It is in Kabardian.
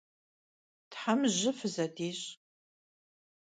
Them jı fızedişş'!